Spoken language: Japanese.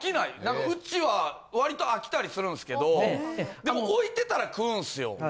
ウチはわりと飽きたりするんですけどでも置いてたら食うんすよ。